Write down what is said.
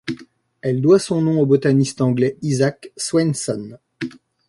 Elle doit son nom au botaniste anglais Isaac Swainson.